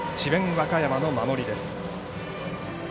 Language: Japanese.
和歌山の守りです。